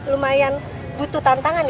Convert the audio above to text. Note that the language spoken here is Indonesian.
lumayan butuh tantangan